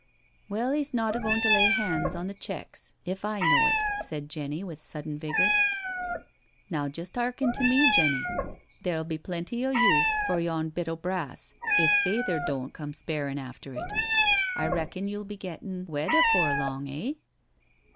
'* Well, he's not a goin' to lay hands on th' checks if I know it," said Jenny, with sudden vigour. " Now just hearken to me, Jenny — there'll be plenty o' use for yon bit o' brass if fayther doan't come sperrin' after it. ... I reckon you'll be gettin' wed afoor long, eh?"